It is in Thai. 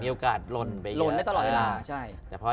มีโอกาสลนไปเยอะลนได้ตลอดเวลา